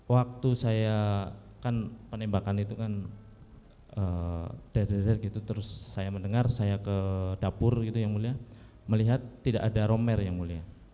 waktu saya kan penembakan itu kan deder gitu terus saya mendengar saya ke dapur gitu yang mulia melihat tidak ada romer yang mulia